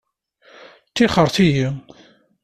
Tixxṛet-iyi!